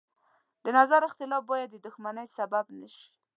د نظر اختلاف باید د دښمنۍ سبب نه شي.